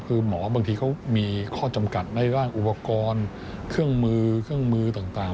คือหมอบางทีเขามีข้อจำกัดในร่างอุปกรณ์เครื่องมือเครื่องมือต่าง